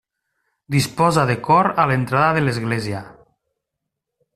Disposa de cor a l'entrada de l'església.